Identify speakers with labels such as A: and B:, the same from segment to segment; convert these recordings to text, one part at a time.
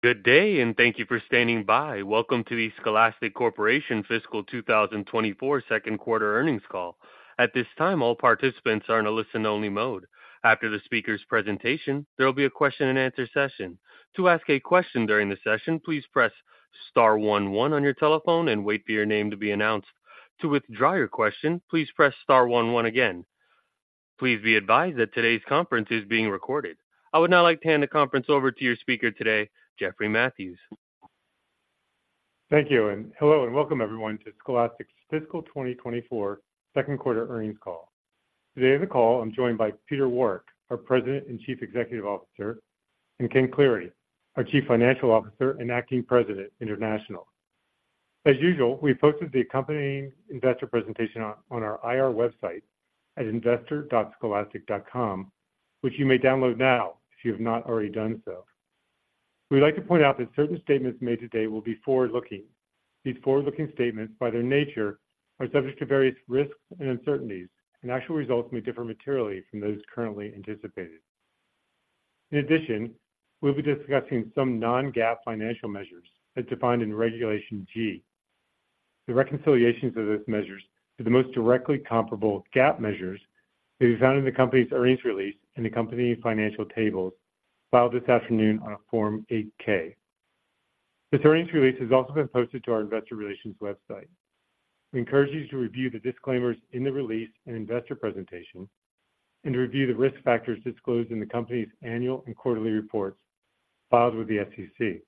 A: Good day, and thank you for standing by. Welcome to the Scholastic Corporation Fiscal 2024 Second Quarter earnings call. At this time, all participants are in a listen-only mode. After the speaker's presentation, there will be a question-and-answer session. To ask a question during the session, please press star one one on your telephone and wait for your name to be announced. To withdraw your question, please press star one one again. Please be advised that today's conference is being recorded. I would now like to hand the conference over to your speaker today, Jeffrey Mathews.
B: Thank you, and hello, and welcome everyone to Scholastic's Fiscal 2024 Second Quarter earnings call. Today on the call, I'm joined by Peter Warwick, our President and Chief Executive Officer, and Ken Cleary, our Chief Financial Officer and Acting President, International. As usual, we posted the accompanying investor presentation on our IR website at investor.scholastic.com, which you may download now if you have not already done so. We'd like to point out that certain statements made today will be forward-looking. These forward-looking statements, by their nature, are subject to various risks and uncertainties, and actual results may differ materially from those currently anticipated. In addition, we'll be discussing some non-GAAP financial measures as defined in Regulation G. The reconciliations of these measures to the most directly comparable GAAP measures may be found in the company's earnings release and the company's financial tables filed this afternoon on a Form 8-K. This earnings release has also been posted to our investor relations website. We encourage you to review the disclaimers in the release and investor presentation, and to review the risk factors disclosed in the company's annual and quarterly reports filed with the SEC.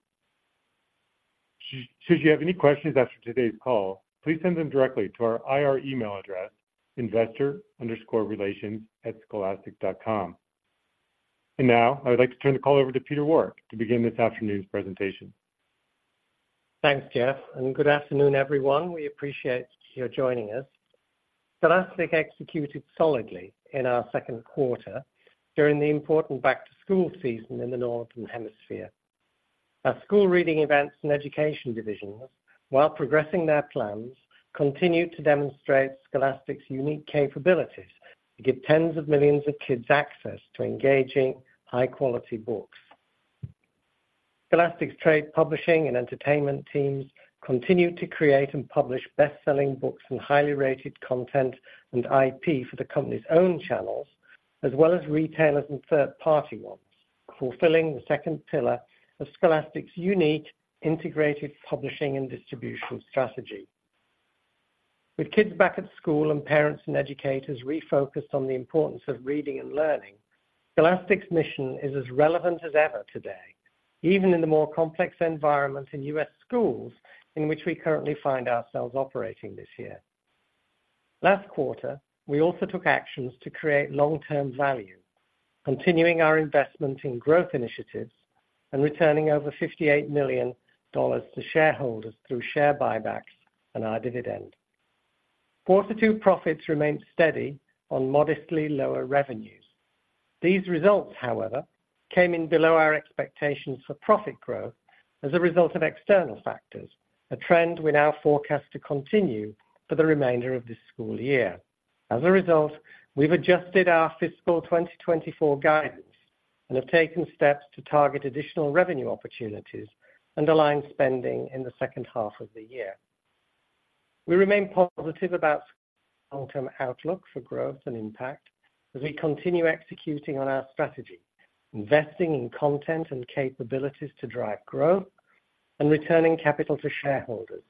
B: Should you have any questions after today's call, please send them directly to our IR email address, investor_relations@scholastic.com. And now, I would like to turn the call over to Peter Warwick to begin this afternoon's presentation.
C: Thanks, Jeff, and good afternoon, everyone. We appreciate you joining us. Scholastic executed solidly in our second quarter during the important back-to-school season in the Northern Hemisphere. Our School Reading Events and Education divisions, while progressing their plans, continued to demonstrate Scholastic's unique capabilities to give tens of millions of kids access to engaging, high-quality books. Scholastic's Trade Publishing and Entertainment teams continued to create and publish best-selling books and highly rated content and IP for the company's own channels, as well as retailers and third-party ones, fulfilling the second pillar of Scholastic's unique integrated publishing and distribution strategy. With kids back at school and parents and educators refocused on the importance of reading and learning, Scholastic's mission is as relevant as ever today, even in the more complex environment in U.S. schools in which we currently find ourselves operating this year. Last quarter, we also took actions to create long-term value, continuing our investment in growth initiatives and returning over $58 million to shareholders through share buybacks and our dividend. Quarter two profits remained steady on modestly lower revenues. These results, however, came in below our expectations for profit growth as a result of external factors, a trend we now forecast to continue for the remainder of this school year. As a result, we've adjusted our fiscal 2024 guidance and have taken steps to target additional revenue opportunities and align spending in the second half of the year. We remain positive about long-term outlook for growth and impact as we continue executing on our strategy, investing in content and capabilities to drive growth and returning capital to shareholders,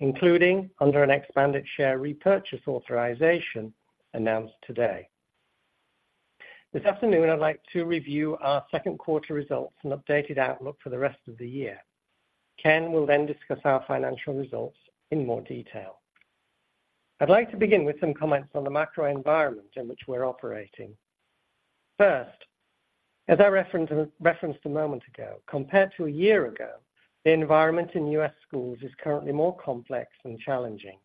C: including under an expanded share repurchase authorization announced today. This afternoon, I'd like to review our second quarter results and updated outlook for the rest of the year. Ken will then discuss our financial results in more detail. I'd like to begin with some comments on the macro environment in which we're operating. First, as I referenced a moment ago, compared to a year ago, the environment in U.S. schools is currently more complex and challenging,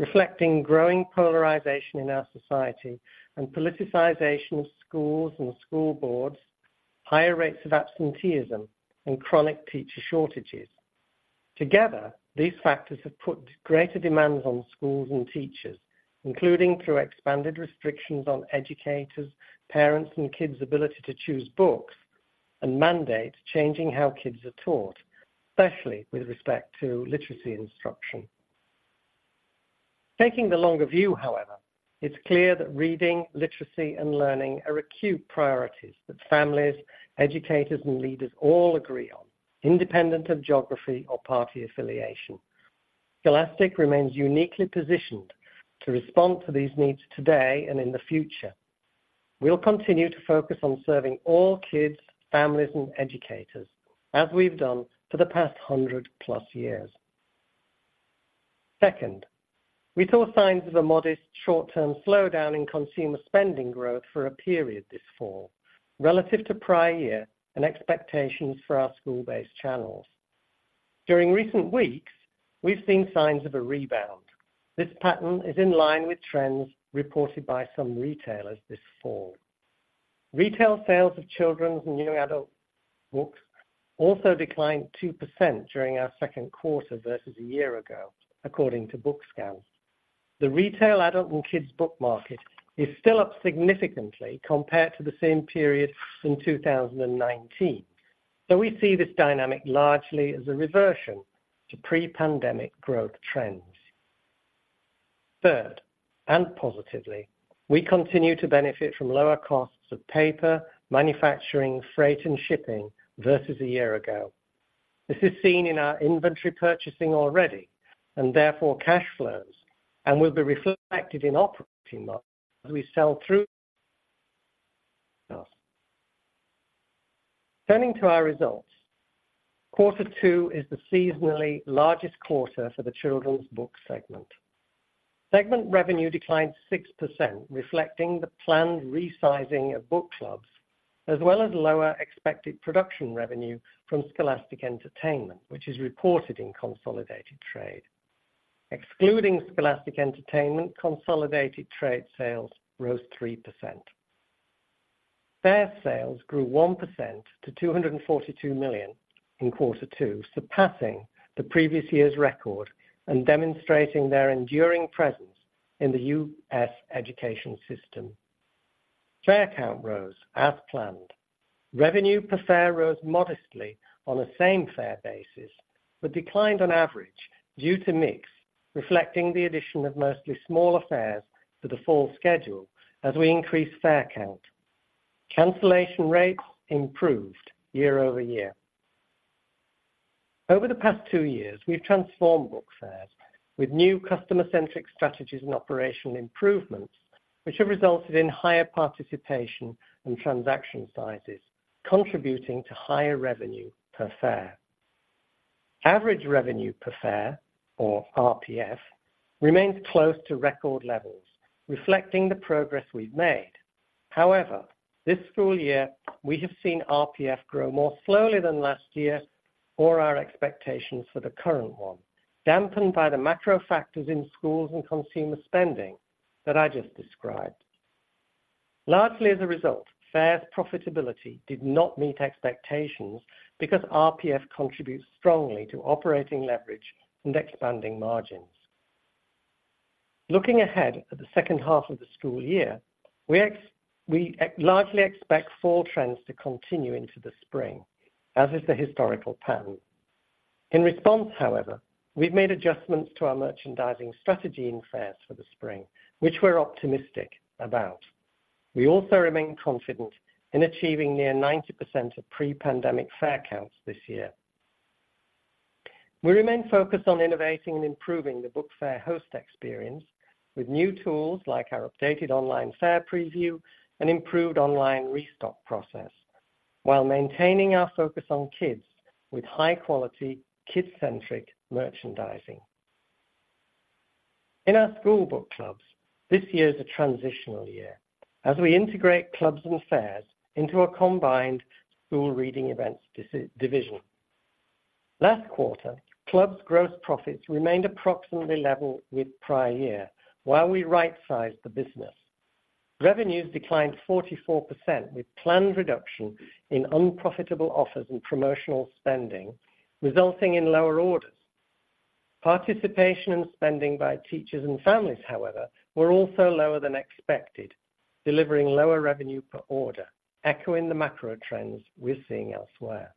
C: reflecting growing polarization in our society and politicization of schools and school boards, higher rates of absenteeism, and chronic teacher shortages. Together, these factors have put greater demands on schools and teachers, including through expanded restrictions on educators, parents, and kids' ability to choose books, and mandates changing how kids are taught, especially with respect to literacy instruction. Taking the longer view, however, it's clear that reading, literacy, and learning are acute priorities that families, educators, and leaders all agree on, independent of geography or party affiliation. Scholastic remains uniquely positioned to respond to these needs today and in the future. We'll continue to focus on serving all kids, families, and educators, as we've done for the past 100 plus years. Second, we saw signs of a modest, short-term slowdown in consumer spending growth for a period this fall, relative to prior year and expectations for our school-based channels. During recent weeks, we've seen signs of a rebound. This pattern is in line with trends reported by some retailers this fall. Retail sales of children's and young adult books also declined 2% during our second quarter versus a year ago, according to BookScan. The retail adult and kids book market is still up significantly compared to the same period in 2019. So we see this dynamic largely as a reversion to pre-pandemic growth trends. Third, and positively, we continue to benefit from lower costs of paper, manufacturing, freight, and shipping versus a year ago. This is seen in our inventory purchasing already, and therefore cash flows, and will be reflected in operating models as we sell through. Turning to our results, quarter two is the seasonally largest quarter for the Children's Book segment. Segment revenue declined 6%, reflecting the planned resizing of Book Clubs, as well as lower expected production revenue from Scholastic Entertainment, which is reported in consolidated trade. Excluding Scholastic Entertainment, consolidated trade sales rose 3%. Fair sales grew 1% to $242 million in quarter two, surpassing the previous year's record and demonstrating their enduring presence in the U.S. education system. Fair count rose as planned. Revenue per fair rose modestly on a same-fair basis, but declined on average due to mix, reflecting the addition of mostly smaller fairs to the fall schedule as we increased fair count. Cancellation rates improved year-over-year. Over the past two years, we've transformed book fairs with new customer-centric strategies and operational improvements, which have resulted in higher participation and transaction sizes, contributing to higher revenue per fair. Average revenue per fair, or RPF, remains close to record levels, reflecting the progress we've made. However, this school year, we have seen RPF grow more slowly than last year, or our expectations for the current one, dampened by the macro factors in schools and consumer spending that I just described. Largely as a result, fair's profitability did not meet expectations because RPF contributes strongly to operating leverage and expanding margins. Looking ahead at the second half of the school year, we largely expect fall trends to continue into the spring, as is the historical pattern. In response, however, we've made adjustments to our merchandising strategy in fairs for the spring, which we're optimistic about. We also remain confident in achieving near 90% of pre-pandemic fair counts this year. We remain focused on innovating and improving the book fair host experience with new tools like our updated online fair preview and improved online restock process, while maintaining our focus on kids with high-quality, kid-centric merchandising. In our school book clubs, this year is a transitional year as we integrate clubs and fairs into a combined School Reading Events division. Last quarter, clubs' gross profits remained approximately level with prior year, while we right-sized the business. Revenues declined 44%, with planned reduction in unprofitable offers and promotional spending, resulting in lower orders. Participation and spending by teachers and families, however, were also lower than expected, delivering lower revenue per order, echoing the macro trends we're seeing elsewhere.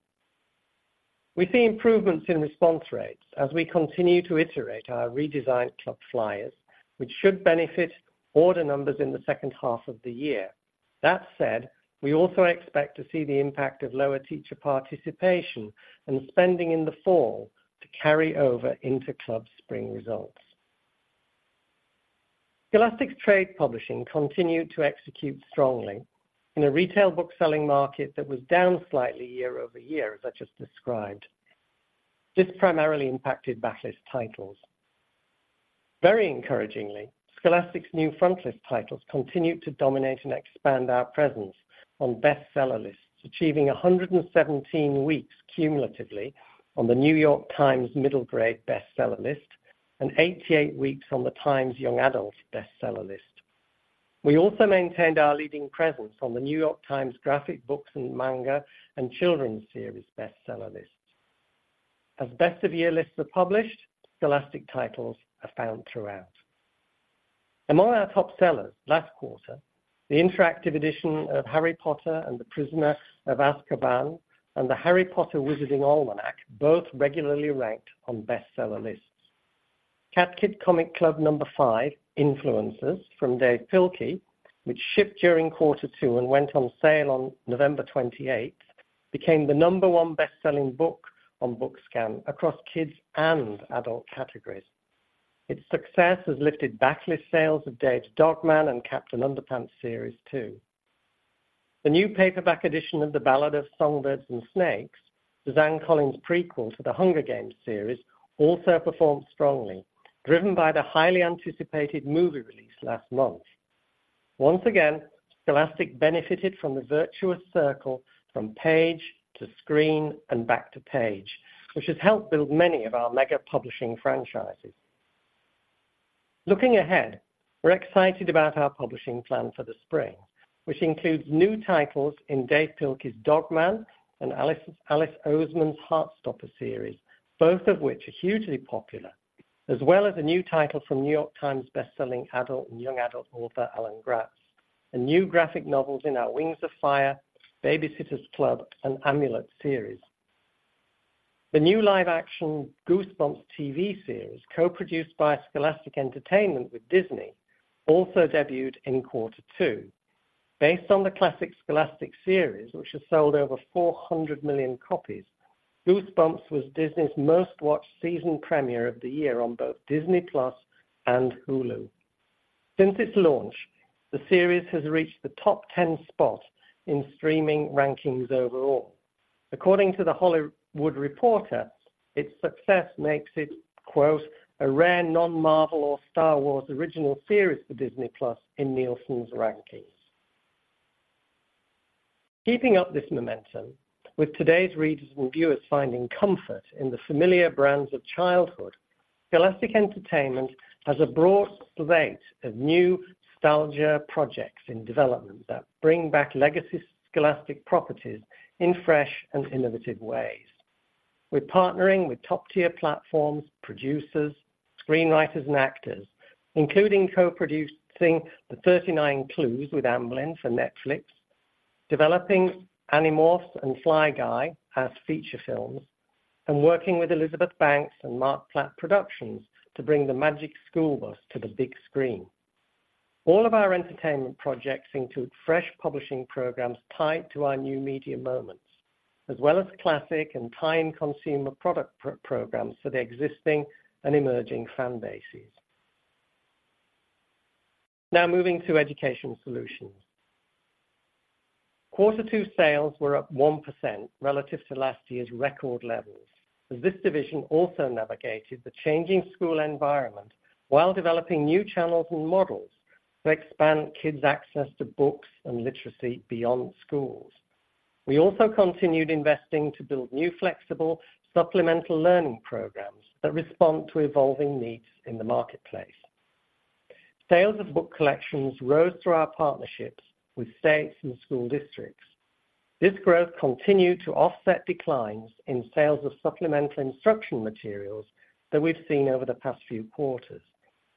C: We see improvements in response rates as we continue to iterate our redesigned club flyers, which should benefit order numbers in the second half of the year. That said, we also expect to see the impact of lower teacher participation and spending in the fall to carry over into Club's spring results. Scholastic's Trade Publishing continued to execute strongly in a retail book-selling market that was down slightly year-over-year, as I just described. This primarily impacted backlist titles. Very encouragingly, Scholastic's new frontlist titles continued to dominate and expand our presence on bestseller lists, achieving 117 weeks cumulatively on The New York Times middle grade bestseller list and 88 weeks on The Times Young Adult bestseller list. We also maintained our leading presence on The New York Times graphic books and manga and children's series bestseller lists. As best-of-year lists are published, Scholastic titles are found throughout. Among our top sellers last quarter, the interactive edition of Harry Potter and the Prisoner of Azkaban and the Harry Potter Wizarding Almanac both regularly ranked on bestseller lists. Cat Kid Comic Club #5: Influencers from Dav Pilkey, which shipped during quarter two and went on sale on November 28th, became the number 1 bestselling book on BookScan across kids and adult categories. Its success has lifted backlist sales of Dav's Dog Man and Captain Underpants series, too. The new paperback edition of The Ballad of Songbirds and Snakes, Suzanne Collins prequel to The Hunger Games series, also performed strongly, driven by the highly anticipated movie release last month. Once again, Scholastic benefited from the virtuous circle from page to screen and back to page, which has helped build many of our mega publishing franchises. Looking ahead. We're excited about our publishing plan for the spring, which includes new titles in Dav Pilkey's Dog Man and Alice Oseman's Heartstopper series, both of which are hugely popular, as well as a new title from New York Times bestselling adult and young adult author, Alan Gratz, and new graphic novels in our Wings of Fire, Baby-Sitters Club, and Amulet series. The new live-action Goosebumps TV series, co-produced by Scholastic Entertainment with Disney, also debuted in quarter two. Based on the classic Scholastic series, which has sold over 400 million copies, Goosebumps was Disney's most-watched season premiere of the year on both Disney+ and Hulu. Since its launch, the series has reached the top 10 spot in streaming rankings overall. According to The Hollywood Reporter, its success makes it, quote, "A rare non-Marvel or Star Wars original series for Disney+ in Nielsen's rankings." Keeping up this momentum, with today's readers and viewers finding comfort in the familiar brands of childhood, Scholastic Entertainment has a broad slate of new nostalgia projects in development that bring back legacy Scholastic properties in fresh and innovative ways. We're partnering with top-tier platforms, producers, screenwriters, and actors, including co-producing The 39 Clues with Amblin for Netflix, developing Animorphs and Fly Guy as feature films, and working with Elizabeth Banks and Marc Platt Productions to bring The Magic School Bus to the big screen. All of our entertainment projects include fresh publishing programs tied to our new media moments, as well as classic and timeless consumer product programs for the existing and emerging fan bases. Now, moving to Education Solutions. Quarter 2 sales were up 1% relative to last year's record levels, as this division also navigated the changing school environment while developing new channels and models to expand kids' access to books and literacy beyond schools. We also continued investing to build new, flexible, supplemental learning programs that respond to evolving needs in the marketplace. Sales of book collections rose through our partnerships with states and school districts. This growth continued to offset declines in sales of supplemental instruction materials that we've seen over the past few quarters,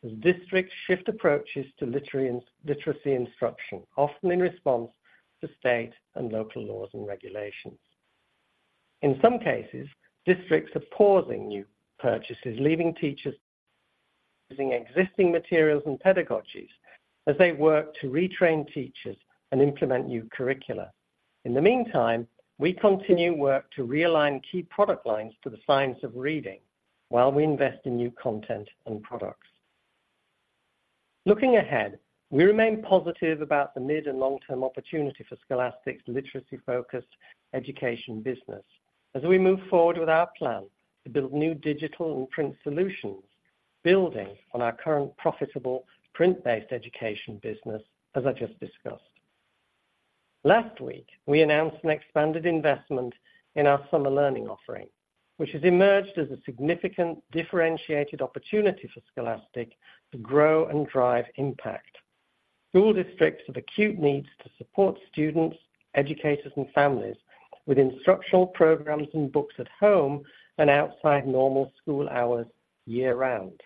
C: as districts shift approaches to literacy instruction, often in response to state and local laws and regulations. In some cases, districts are pausing new purchases, leaving teachers using existing materials and pedagogies as they work to retrain teachers and implement new curricula. In the meantime, we continue work to realign key product lines to the Science of Reading while we invest in new content and products. Looking ahead, we remain positive about the mid- and long-term opportunity for Scholastic's literacy-focused education business as we move forward with our plan to build new digital and print solutions, building on our current profitable print-based education business, as I just discussed. Last week, we announced an expanded investment in our summer learning offering, which has emerged as a significant differentiated opportunity for Scholastic to grow and drive impact. School districts have acute needs to support students, educators, and families with instructional programs and books at home and outside normal school hours year-round.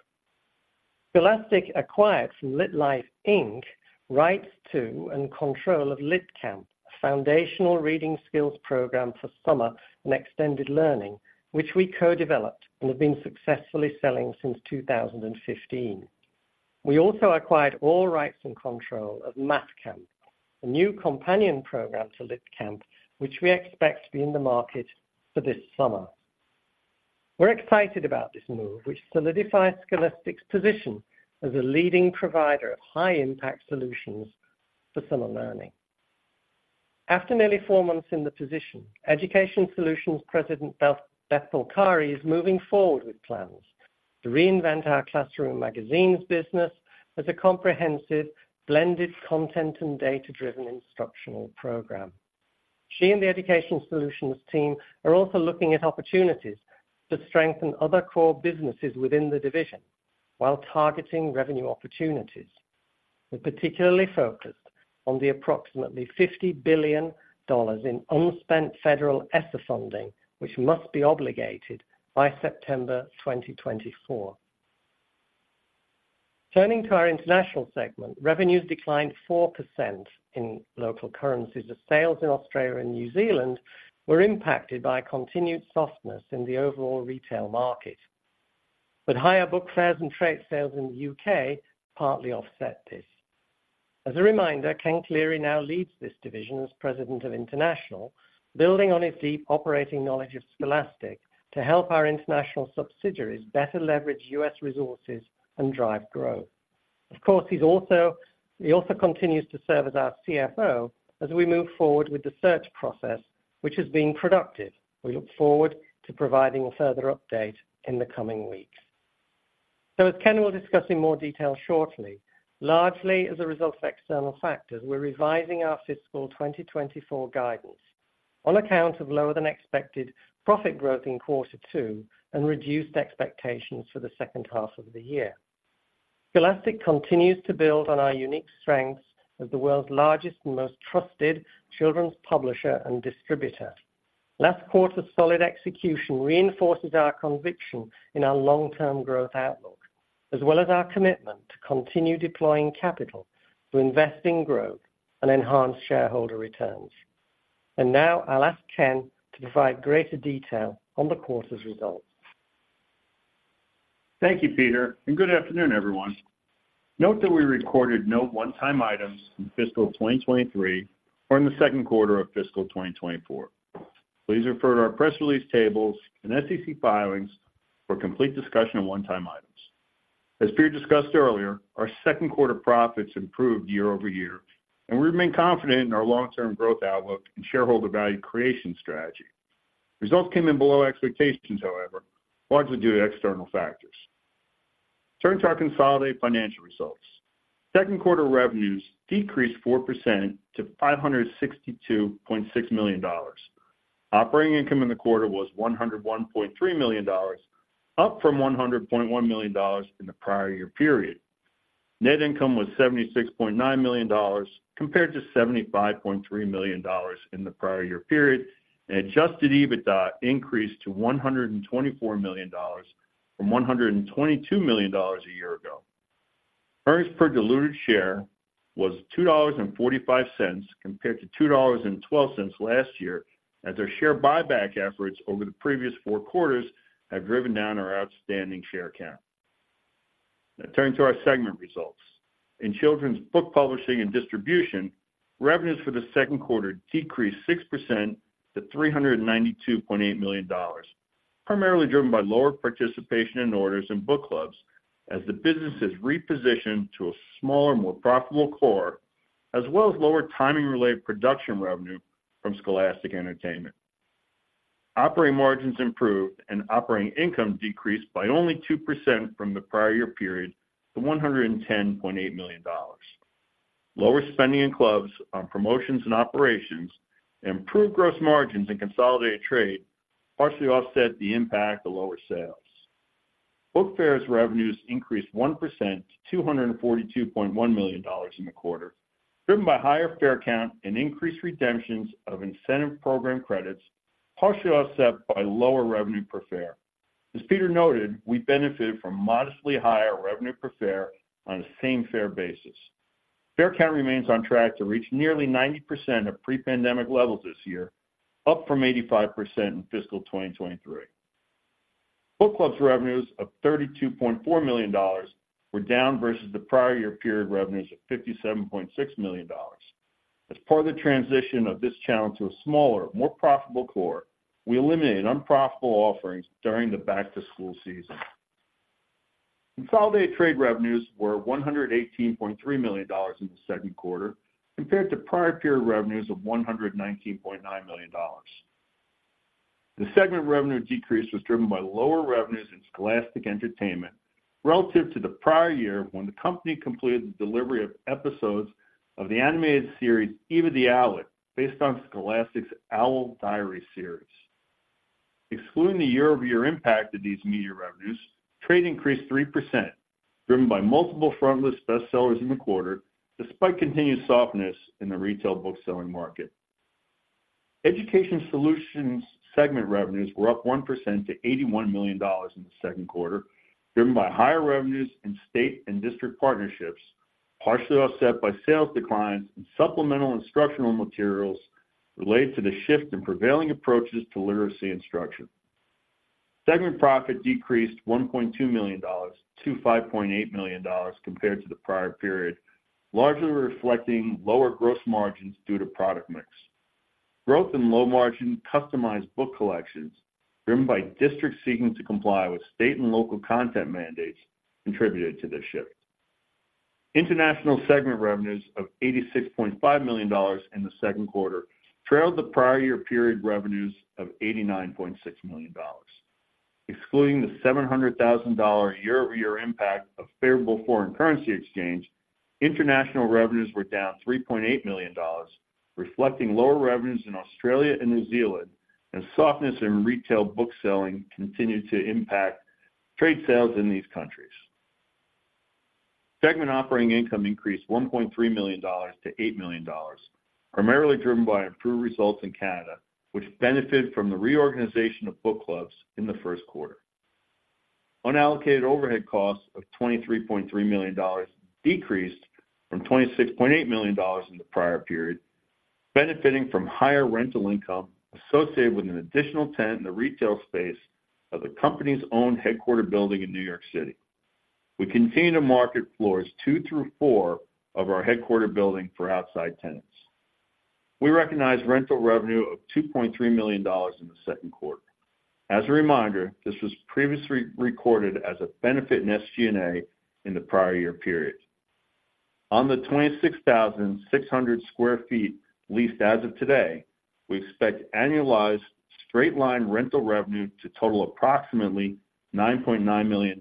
C: Scholastic acquired from LitLife Inc rights to and control of LitCamp, a foundational reading skills program for summer and extended learning, which we co-developed and have been successfully selling since 2015. We also acquired all rights and control of MathCamp, a new companion program to LitCamp, which we expect to be in the market for this summer. We're excited about this move, which solidifies Scholastic's position as a leading provider of high-impact solutions for summer learning. After nearly four months in the position, Education Solutions President Beth Polcari is moving forward with plans to reinvent our classroom and magazines business as a comprehensive, blended, content and data-driven instructional program. She and the Education Solutions team are also looking at opportunities to strengthen other core businesses within the division while targeting revenue opportunities. We're particularly focused on the approximately $50 billion in unspent federal ESSER funding, which must be obligated by September 2024. Turning to our International segment, revenues declined 4% in local currencies as sales in Australia and New Zealand were impacted by continued softness in the overall retail market. But higher book fairs and trade sales in the U.K. partly offset this. As a reminder, Ken Cleary now leads this division as President of International, building on his deep operating knowledge of Scholastic to help our international subsidiaries better leverage U.S. resources and drive growth. Of course, he also continues to serve as our CFO as we move forward with the search process, which is being productive. We look forward to providing a further update in the coming weeks. As Ken will discuss in more detail shortly, largely as a result of external factors, we're revising our fiscal 2024 guidance... on account of lower than expected profit growth in quarter 2 and reduced expectations for the second half of the year. Scholastic continues to build on our unique strengths as the world's largest and most trusted children's publisher and distributor. Last quarter's solid execution reinforces our conviction in our long-term growth outlook, as well as our commitment to continue deploying capital to invest in growth and enhance shareholder returns. Now I'll ask Ken to provide greater detail on the quarter's results.
D: Thank you, Peter, and good afternoon, everyone. Note that we recorded no one-time items in fiscal 2023 or in the second quarter of fiscal 2024. Please refer to our press release tables and SEC filings for complete discussion of one-time items. As Peter discussed earlier, our second quarter profits improved year-over-year, and we remain confident in our long-term growth outlook and shareholder value creation strategy. Results came in below expectations, however, largely due to external factors. Turning to our consolidated financial results. Second quarter revenues decreased 4% to $562.6 million. Operating income in the quarter was $101.3 million, up from $100.1 million in the prior year period. Net income was $76.9 million, compared to $75.3 million in the prior year period, and Adjusted EBITDA increased to $124 million from $122 million a year ago. Earnings per diluted share was $2.45, compared to $2.12 last year, as our share buyback efforts over the previous 4 quarters have driven down our outstanding share count. Now turning to our segment results. In Children's Book Publishing and Distribution, revenues for the second quarter decreased 6% to $392.8 million, primarily driven by lower participation in orders and book clubs, as the business is repositioned to a smaller, more profitable core, as well as lower timing-related production revenue from Scholastic Entertainment. Operating margins improved and operating income decreased by only 2% from the prior year period to $110.8 million. Lower spending in clubs on promotions and operations, improved gross margins in consolidated trade, partially offset the impact of lower sales. Book Fairs revenues increased 1% to $242.1 million in the quarter, driven by higher fair count and increased redemptions of incentive program credits, partially offset by lower revenue per fair. As Peter noted, we benefited from modestly higher revenue per fair on a same fair basis. Fair count remains on track to reach nearly 90% of pre-pandemic levels this year, up from 85% in fiscal 2023. Book Clubs revenues of $32.4 million were down versus the prior year period revenues of $57.6 million. As part of the transition of this channel to a smaller, more profitable core, we eliminated unprofitable offerings during the back-to-school season. Consolidated trade revenues were $118.3 million in the second quarter, compared to prior period revenues of $119.9 million. The segment revenue decrease was driven by lower revenues in Scholastic Entertainment relative to the prior year, when the company completed the delivery of episodes of the animated series, Eva the Owlet, based on Scholastic's Owl Diaries series. Excluding the year-over-year impact of these media revenues, trade increased 3%, driven by multiple frontlist bestsellers in the quarter, despite continued softness in the retail bookselling market. Education Solutions segment revenues were up 1% to $81 million in the second quarter, driven by higher revenues in state and district partnerships, partially offset by sales declines in supplemental instructional materials related to the shift in prevailing approaches to literacy instruction. Segment profit decreased $1.2 million to $5.8 million compared to the prior period, largely reflecting lower gross margins due to product mix. Growth in low margin customized book collections, driven by districts seeking to comply with state and local content mandates, contributed to this shift. International Segment revenues of $86.5 million in the second quarter trailed the prior year period revenues of $89.6 million. Excluding the $700,000 year-over-year impact of favorable foreign currency exchange, International revenues were down $3.8 million, reflecting lower revenues in Australia and New Zealand, and softness in retail bookselling continued to impact trade sales in these countries. Segment operating income increased $1.3 million to $8 million, primarily driven by improved results in Canada, which benefited from the reorganization of Book Clubs in the first quarter. Unallocated overhead costs of $23.3 million decreased from $26.8 million in the prior period, benefiting from higher rental income associated with an additional tenant in the retail space of the company's own headquarters building in New York City. We continue to market floors 2 through 4 of our headquarters building for outside tenants. We recognized rental revenue of $2.3 million in the second quarter. As a reminder, this was previously recorded as a benefit in SG&A in the prior year period. On the 26,600 sq ft leased as of today, we expect annualized straight-line rental revenue to total approximately $9.9 million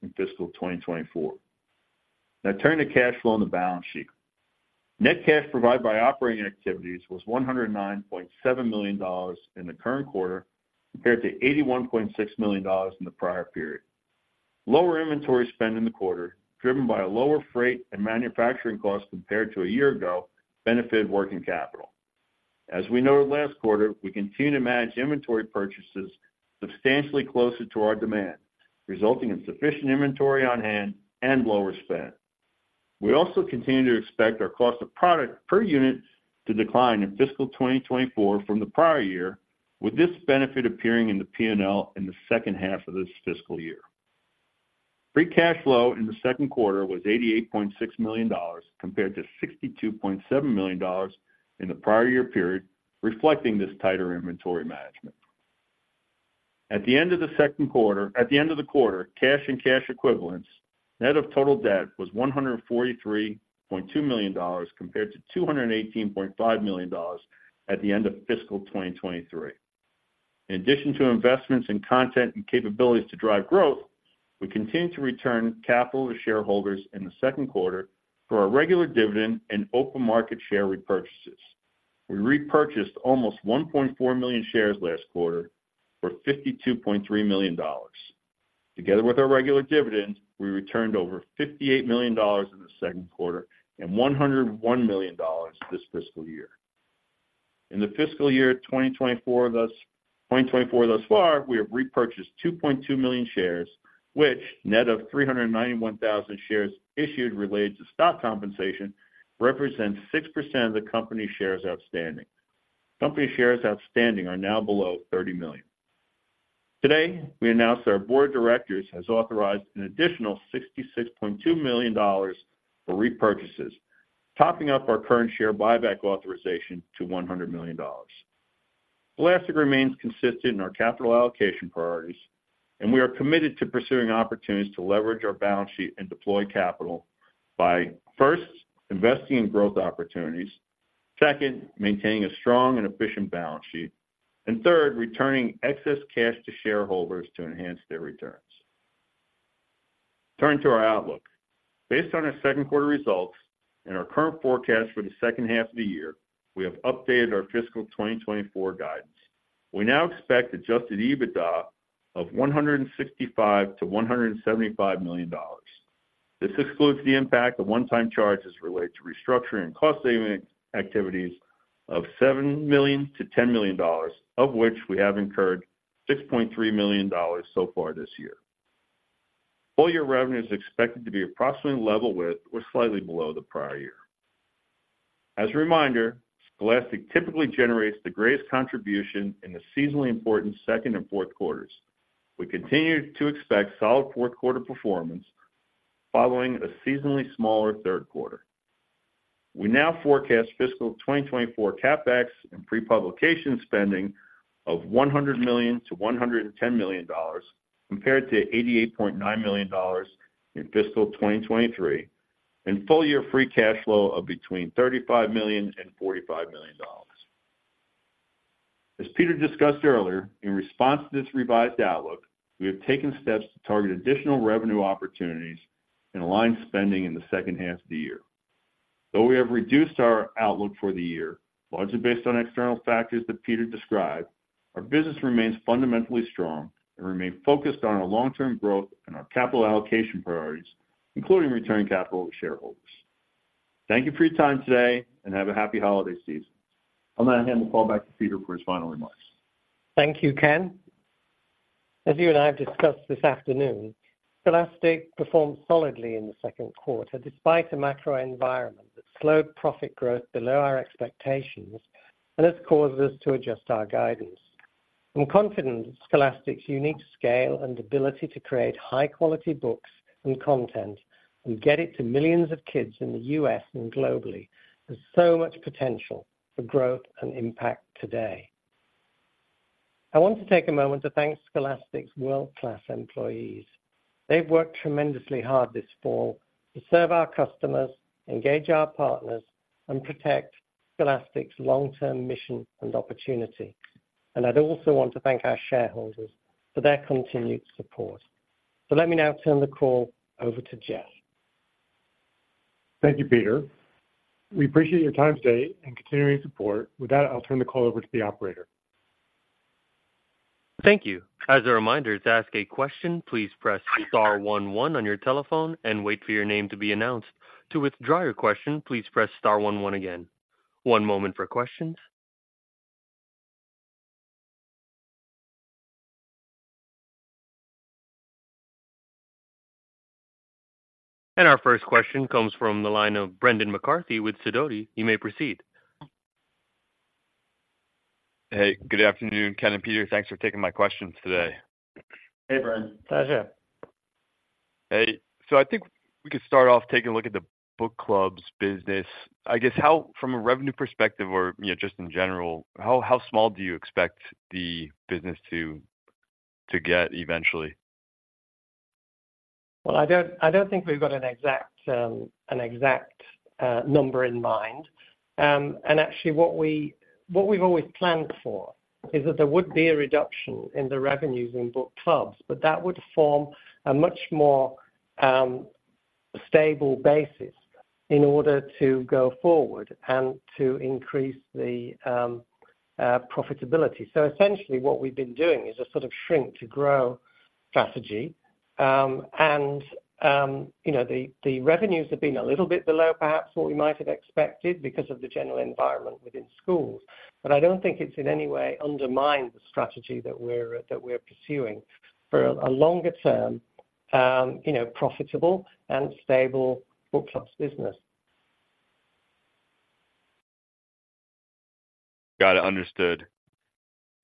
D: in fiscal 2024. Now turning to cash flow and the balance sheet. Net cash provided by operating activities was $109.7 million in the current quarter, compared to $81.6 million in the prior period. Lower inventory spend in the quarter, driven by a lower freight and manufacturing cost compared to a year ago, benefited working capital. As we noted last quarter, we continue to manage inventory purchases substantially closer to our demand, resulting in sufficient inventory on hand and lower spend. We also continue to expect our cost of product per unit to decline in fiscal 2024 from the prior year, with this benefit appearing in the P&L in the second half of this fiscal year. Free cash flow in the second quarter was $88.6 million, compared to $62.7 million in the prior year period, reflecting this tighter inventory management. At the end of the quarter, cash and cash equivalents, net of total debt, was $143.2 million, compared to $218.5 million at the end of fiscal 2023. In addition to investments in content and capabilities to drive growth, we continued to return capital to shareholders in the second quarter for our regular dividend and open market share repurchases. We repurchased almost 1.4 million shares last quarter for $52.3 million. Together with our regular dividends, we returned over $58 million in the second quarter and $101 million this fiscal year. In the fiscal year 2024, thus, 2024 thus far, we have repurchased 2.2 million shares, which net of 391,000 shares issued related to stock compensation, represents 6% of the company shares outstanding. Company shares outstanding are now below 30 million. Today, we announced our board of directors has authorized an additional $66.2 million for repurchases, topping up our current share buyback authorization to $100 million. Scholastic remains consistent in our capital allocation priorities, and we are committed to pursuing opportunities to leverage our balance sheet and deploy capital by, first, investing in growth opportunities, second, maintaining a strong and efficient balance sheet, and third, returning excess cash to shareholders to enhance their returns. Turning to our outlook. Based on our second quarter results and our current forecast for the second half of the year, we have updated our fiscal 2024 guidance. We now expect Adjusted EBITDA of $165 million-$175 million. This excludes the impact of one-time charges related to restructuring and cost-saving activities of $7 million-$10 million, of which we have incurred $6.3 million so far this year. Full year revenue is expected to be approximately level with or slightly below the prior year. As a reminder, Scholastic typically generates the greatest contribution in the seasonally important second and fourth quarters. We continue to expect solid fourth quarter performance following a seasonally smaller third quarter. We now forecast fiscal 2024 CapEx and pre-publication spending of $100 million-$110 million, compared to $88.9 million in fiscal 2023, and full year free cash flow of between $35 million and $45 million. As Peter discussed earlier, in response to this revised outlook, we have taken steps to target additional revenue opportunities and align spending in the second half of the year. Though we have reduced our outlook for the year, largely based on external factors that Peter described, our business remains fundamentally strong and remain focused on our long-term growth and our capital allocation priorities, including returning capital to shareholders. Thank you for your time today, and have a happy holiday season. I'll now hand the call back to Peter for his final remarks.
C: Thank you, Ken. As you and I have discussed this afternoon, Scholastic performed solidly in the second quarter, despite a macro environment that slowed profit growth below our expectations, and this caused us to adjust our guidance. I'm confident in Scholastic's unique scale and ability to create high-quality books and content and get it to millions of kids in the U.S. and globally. There's so much potential for growth and impact today. I want to take a moment to thank Scholastic's world-class employees. They've worked tremendously hard this fall to serve our customers, engage our partners, and protect Scholastic's long-term mission and opportunity. And I'd also want to thank our shareholders for their continued support. Let me now turn the call over to Jeff.
B: Thank you, Peter. We appreciate your time today and continuing support. With that, I'll turn the call over to the operator.
A: Thank you. As a reminder, to ask a question, please press star one one on your telephone and wait for your name to be announced. To withdraw your question, please press star one one again. One moment for questions. Our first question comes from the line of Brendan McCarthy with Sidoti. You may proceed.
E: Hey, good afternoon, Ken and Peter. Thanks for taking my questions today.
D: Hey, Brendan.
C: Pleasure.
E: Hey, so I think we could start off taking a look at the Book Clubs business. I guess how, from a revenue perspective or, you know, just in general, how small do you expect the business to get eventually?
C: Well, I don't, I don't think we've got an exact number in mind. And actually, what we, what we've always planned for, is that there would be a reduction in the revenues in Book Clubs, but that would form a much more stable basis in order to go forward and to increase the profitability. So essentially what we've been doing is a sort of shrink-to-grow strategy. And you know, the revenues have been a little bit below, perhaps what we might have expected because of the general environment within schools. But I don't think it's in any way undermined the strategy that we're pursuing for a longer term, you know, profitable and stable Book Clubs business.
E: Got it, understood.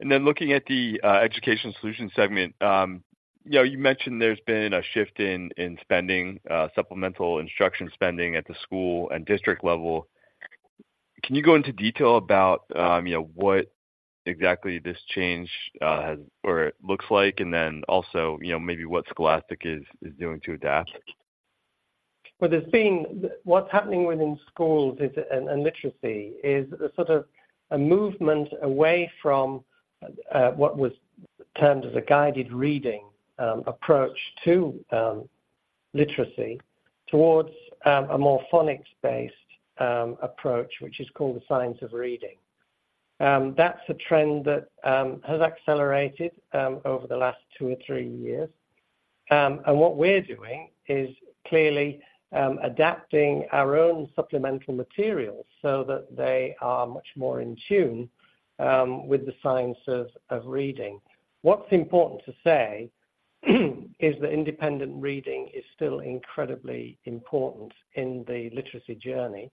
E: Then looking at the Education Solutions segment, you know, you mentioned there's been a shift in spending, supplemental instruction spending at the school and district level. Can you go into detail about, you know, what exactly this change has or looks like? Then also, you know, maybe what Scholastic is doing to adapt.
C: Well, what's happening within schools and literacy is a sort of movement away from what was termed as a Guided Reading approach to literacy towards a more phonics-based approach, which is called the science of reading. That's a trend that has accelerated over the last two or three years. And what we're doing is clearly adapting our own supplemental materials so that they are much more in tune with the science of reading. What's important to say is that independent reading is still incredibly important in the literacy journey,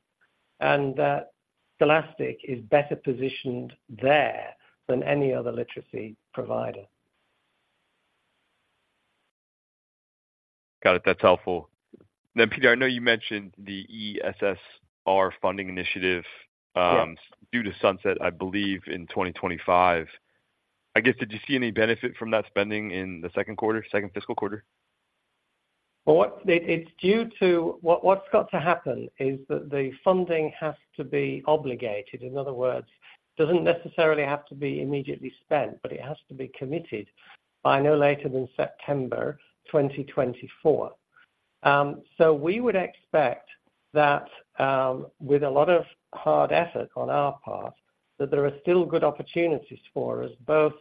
C: and that Scholastic is better positioned there than any other literacy provider.
E: Got it. That's helpful. Then, Peter, I know you mentioned the ESSER funding initiative-
C: Yes.
E: Due to sunset, I believe, in 2025. I guess, did you see any benefit from that spending in the second quarter, second fiscal quarter?
C: Well, what's got to happen is that the funding has to be obligated. In other words, it doesn't necessarily have to be immediately spent, but it has to be committed by no later than September 2024. So we would expect that, with a lot of hard effort on our part, that there are still good opportunities for us, both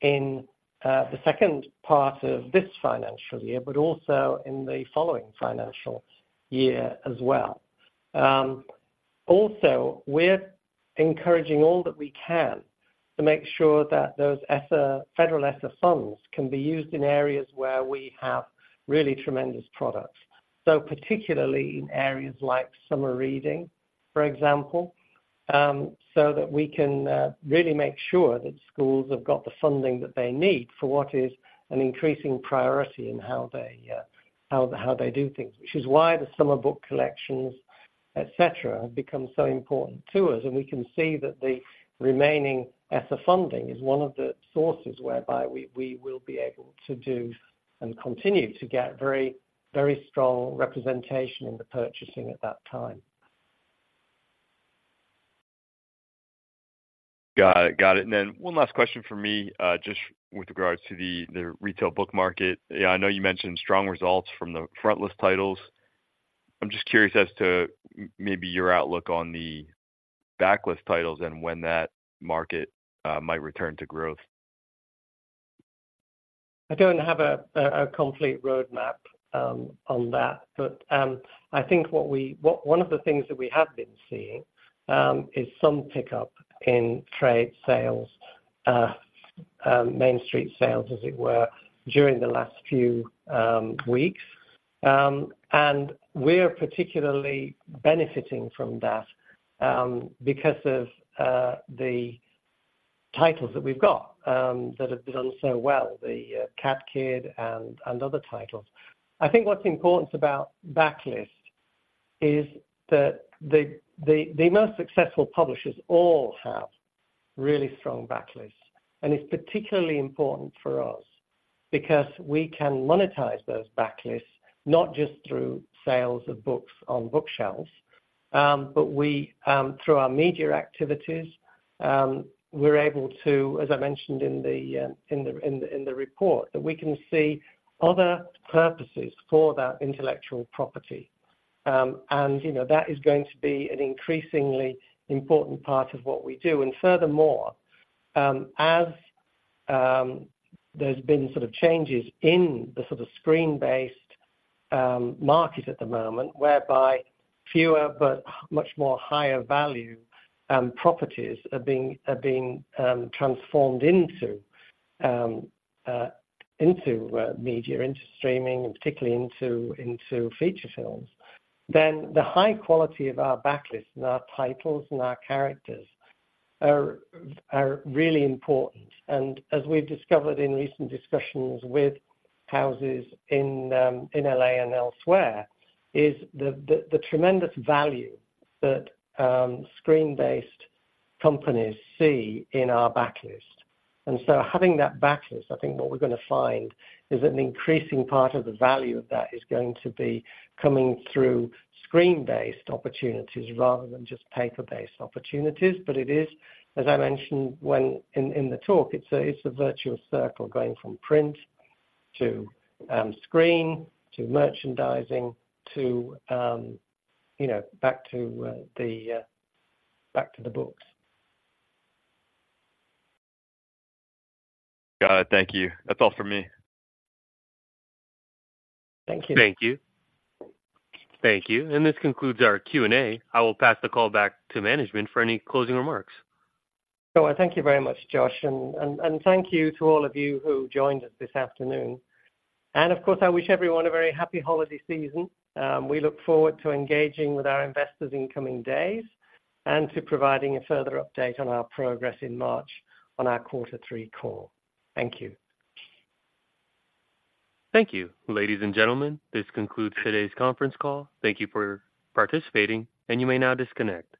C: in the second part of this financial year, but also in the following financial year as well. Also, we're encouraging all that we can to make sure that those ESSER, federal ESSER funds can be used in areas where we have really tremendous products. So particularly in areas like summer reading, for example, so that we can really make sure that schools have got the funding that they need for what is an increasing priority in how they do things. Which is why the summer book collections, et cetera, have become so important to us. And we can see that the remaining ESSER funding is one of the sources whereby we will be able to do and continue to get very, very strong representation in the purchasing at that time.
E: Got it, got it. And then one last question from me, just with regards to the retail book market. I know you mentioned strong results from the frontlist titles. I'm just curious as to maybe your outlook on the backlist titles and when that market might return to growth.
C: I don't have a complete roadmap on that. But I think one of the things that we have been seeing is some pickup in trade sales, main street sales, as it were, during the last few weeks. And we're particularly benefiting from that because of the titles that we've got that have done so well, the Cat Kid and other titles. I think what's important about backlist is that the most successful publishers all have really strong backlists. And it's particularly important for us because we can monetize those backlists, not just through sales of books on bookshelves, but through our media activities, we're able to... As I mentioned in the report, that we can see other purposes for that intellectual property. You know, that is going to be an increasingly important part of what we do. And furthermore, as there's been sort of changes in the sort of screen-based market at the moment, whereby fewer but much more higher value properties are being transformed into media, into streaming, and particularly into feature films. Then the high quality of our backlist and our titles and our characters are really important. And as we've discovered in recent discussions with houses in L.A. and elsewhere, is the tremendous value that screen-based companies see in our backlist. Having that backlist, I think what we're gonna find is that an increasing part of the value of that is going to be coming through screen-based opportunities rather than just paper-based opportunities. But it is, as I mentioned` in the talk, it's a virtual circle, going from print to screen, to merchandising, to you know back to the books.
E: Got it. Thank you. That's all for me.
C: Thank you.
A: Thank you. Thank you. This concludes our Q&A. I will pass the call back to management for any closing remarks.
C: Thank you very much, Josh, and thank you to all of you who joined us this afternoon. Of course, I wish everyone a very happy holiday season. We look forward to engaging with our investors in coming days and to providing a further update on our progress in March on our quarter three call. Thank you.
A: Thank you. Ladies and gentlemen, this concludes today's conference call. Thank you for participating, and you may now disconnect.